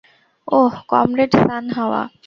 ওহ, comrade সান হাওয়া।